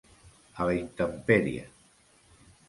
A la intempèrie.